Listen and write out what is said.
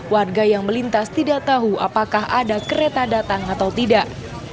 warga yang melintas tidak tahu apakah ada kereta datang atau tidak